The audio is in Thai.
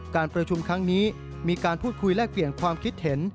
การประชุมครั้งนี้มีการพูดคุยแลกเปลี่ยนความคิดเห็น